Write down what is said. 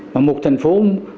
mà một thành phố